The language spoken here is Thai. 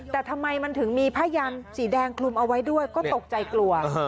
แต่ทำไมมันถึงมีผ้ายันสีแดงคลุมเอาไว้ด้วยก็ตกใจกลัว